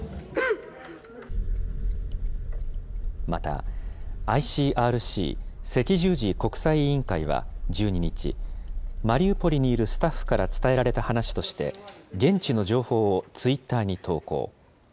また、ＩＣＲＣ・赤十字国際委員会は１２日、マリウポリにいるスタッフから伝えられた話として、現地の情報をツイッターに投稿。